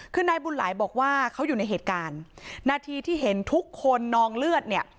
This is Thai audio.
คือนายบุญหลายบอกว่าเขาอยู่ในเหตุการณ์นาทีที่เห็นทุกคนนองเลือดเนี่ย